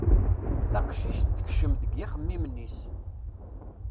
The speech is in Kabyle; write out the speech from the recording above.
Taqcict tekcem deg yixemmimen-is.